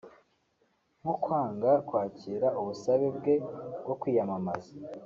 nko kwanga kwakira ubusabe bwe bwo kwiyamamaza